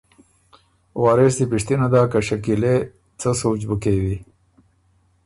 وارث دی پِشتِنه داک که ”شکیلے! ـــ څۀ سوچ بُو کېوی“